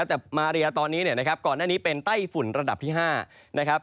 แต่มาเรียตอนนี้ก่อนหน้านี้เป็นใต้ฝุ่นระดับที่๕